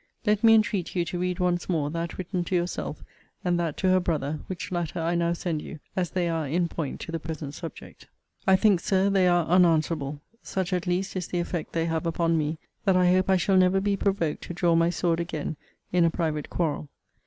Let me entreat you to read once more that written to yourself; and that to her brother;* which latter I now send you; as they are in point to the present subject. * See Letter XVI. of this volume. I think, Sir, they are unanswerable. Such, at least, is the effect they have upon me, that I hope I shall never be provoked to draw my sword again in a private quarrel.